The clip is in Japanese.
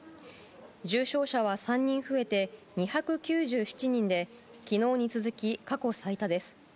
重症者は３人増えて２９７人で昨日に続き過去最多です。